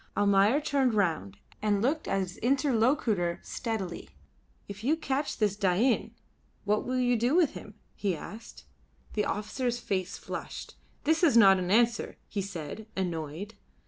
Almayer turned round and looked at his interlocutor steadily. "If you catch this Dain what will you do with him?" he asked. The officer's face flushed. "This is not an answer," he said, annoyed.